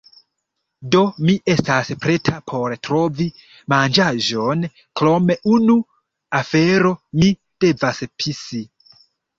Do, mi estas preta por trovi manĝaĵon krom unu afero mi devas pisi